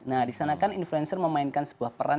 nah disana kan influencer memainkan sebuah peran